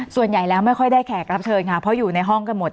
ส่วนใหญ่แล้วไม่ค่อยได้แขกรับเชิญค่ะเพราะอยู่ในห้องกันหมด